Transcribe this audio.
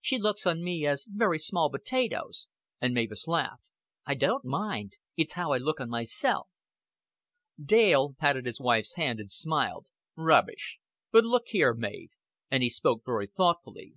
She looks on me as very small potatoes," and Mavis laughed. "I don't mind. It's how I look on myself." Dale patted his wife's hand, and smiled. "Rubbish! But look here, Mav;" and he spoke very thoughtfully.